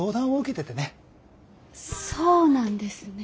そうなんですね。